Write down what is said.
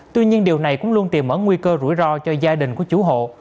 tuy nhiên điều này cũng luôn tìm mở nguy cơ rủi ro cho gia đình của chủ hộ